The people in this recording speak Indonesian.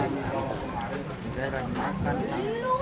gak ada aplikasi